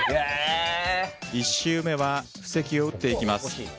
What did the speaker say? １周目は布石を打っていきます。